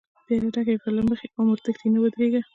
پیالی ډکی کړه له مخی، عمر تښتی نه ودریږی